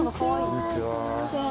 こんにちは。